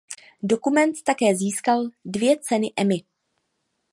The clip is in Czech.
Dokument také získal dvě ceny Emmy.